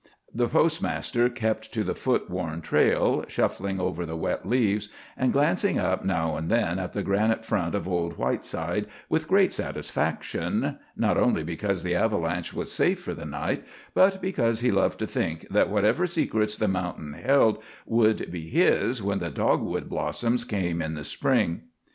The postmaster kept to the foot worn trail, shuffling over the wet leaves, and glancing up now and then at the granite front of old Whiteside with great satisfaction, not only because the avalanche was safe for the night, but because he loved to think that whatever secrets the mountain held would be his when the dogwood blossoms came in the spring.